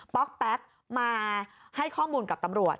๊อกแต๊กมาให้ข้อมูลกับตำรวจ